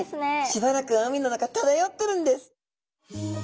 しばらくは海の中ただよってるんです。